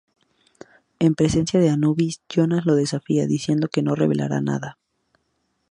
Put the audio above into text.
En presencia de Anubis, Jonas lo desafía diciendo que no revelara nada.